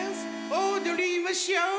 おどりましょ。